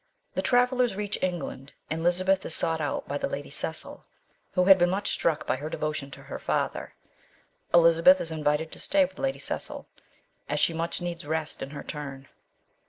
The travellers reach England, and Elizabeth is sought out by Lady Cecil, who had been much struck by her devotion to her father. Elizabeth is invited to stay with Lady Cecil, as she much needs rest in her turn.